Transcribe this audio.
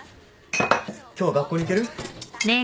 今日は学校に行ける？